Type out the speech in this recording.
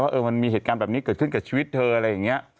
ว่ามันมีเหตุการณ์แบบนี้เกิดขึ้นกับชีวิตเธออะไรอย่างนี้